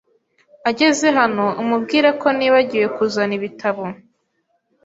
Ageze hano, umubwire ko nibagiwe kuzana ibitabo.